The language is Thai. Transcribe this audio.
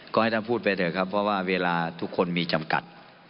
ก็ให้ท่านพูดไปเถอะครับเพราะว่าเวลาทุกคนมีจำกัด